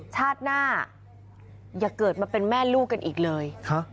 ชาติหน้าอย่าเกิดมาเป็นแม่ลูกกันอีกเลย